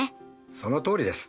そのとおりです。